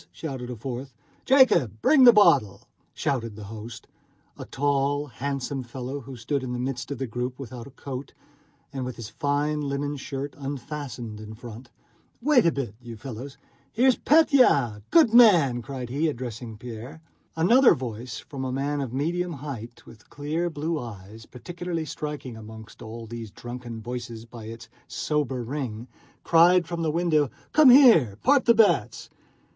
shouted a fourth. "Jacob, bring a bottle!" shouted the host, a tall, handsome fellow who stood in the midst of the group, without a coat, and with his fine linen shirt unfastened in front. "Wait a bit, you fellows.... Here is Pétya! Good man!" cried he, addressing Pierre. Another voice, from a man of medium height with clear blue eyes, particularly striking among all these drunken voices by its sober ring, cried from the window: "Come here; part the bets!"